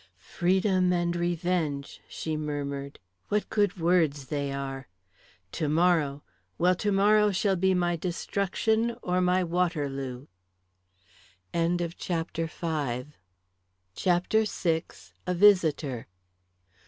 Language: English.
"Freedom and revenge," she murmured. "What good words they are. Tomorrow! Well, tomorrow shall be my destruction or my Waterloo!" CHAPTER VI. A VISITOR.